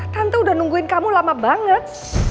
tante udah nungguin kamu lama banget